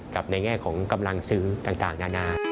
ในแง่ของกำลังซึ้งต่างนานา